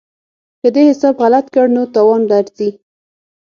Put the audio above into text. که دې حساب غلط کړ نو تاوان درځي.